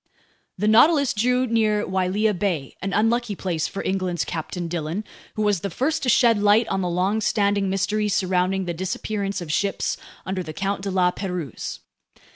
The Nautilus drew near Wailea Bay, an unlucky place for England's Captain Dillon, who was the first to shed light on the longstanding mystery surrounding the disappearance of ships under the Count de La Pérouse.